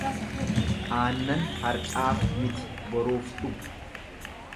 Aannan har'aaf miti boruuf dhugu.